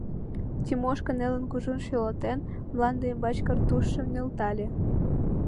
Тимошка, нелын, кужун шӱлалтен, мланде ӱмбач картузшым нӧлтале.